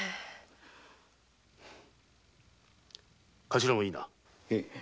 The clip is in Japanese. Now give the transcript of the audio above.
頭もいいな。